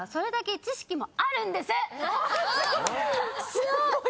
すごい！